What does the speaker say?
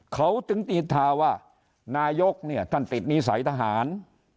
เขาถึงตีทาว่านายกเนี่ยท่านติดนิสัยทหาร